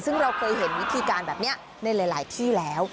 ซึ่งเราเคยเห็นวิธีการแบบนี้ในหลายที่แล้ว